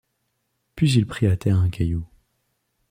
Puis il prit à terre un caillou.